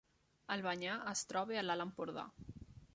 Albanyà es troba a l’Alt Empordà